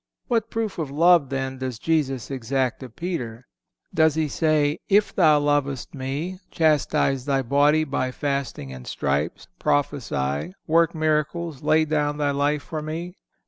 What proof of love, then, does Jesus exact of Peter? Does He say: If thou lovest Me, chastise thy body by fasting and stripes, prophesy, work miracles, lay down thy life for Me?